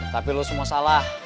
tapi lo semua salah